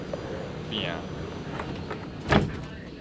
摒